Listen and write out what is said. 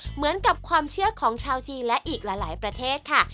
เหมือนกับความเชื่อของชาวจีนและอีกหลายประเทศค่ะ